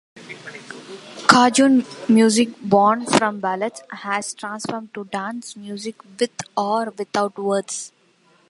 Cajun music, born from ballads, has transformed to dance music-with or without words.